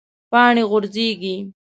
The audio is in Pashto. پاڼې غورځیږي